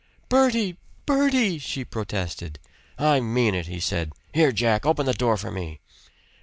"Bertie! Bertie!" she protested. "I mean it!" he said. "Here Jack! Open the door for me."